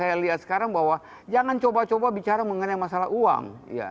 dan yang saya lihat sekarang bahwa jangan coba coba bicara mengenai masalah uang